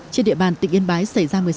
trên địa bàn tỉnh yên bái xảy ra